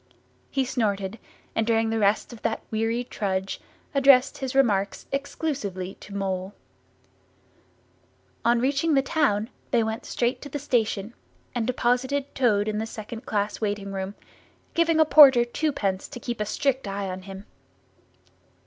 —He snorted, and during the rest of that weary trudge addressed his remarks exclusively to Mole. On reaching the town they went straight to the station and deposited Toad in the second class waiting room, giving a porter twopence to keep a strict eye on him.